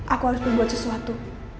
aku harus membuat sesuatu